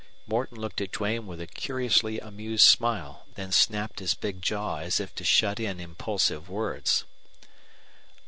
Morton looked at Duane with a curiously amused smile, then snapped his big jaw as if to shut in impulsive words.